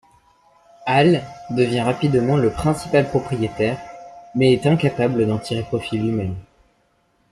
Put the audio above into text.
Hall devient rapidement le principal propriétaire, mais est incapable d'en tirer profit lui-même.